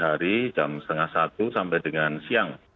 hari jam setengah satu sampai dengan siang